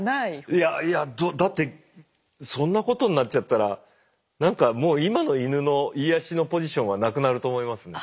いやいやだってそんなことになっちゃったら何かもう今のイヌの癒やしのポジションはなくなると思いますね。